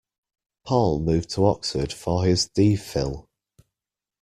Paul moved to Oxford for his D Phil.